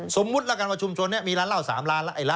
สมมุติแล้วกันว่าชุมชนนี้มีร้านเหล้า๓ร้าน